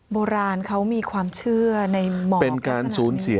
บราณเขามีความเชื่อในหมอคลักษณะนี้